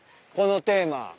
このテーマ。